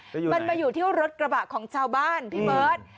มันมาอยู่ที่รถกระบะของชาวบ้านพี่เบิร์ต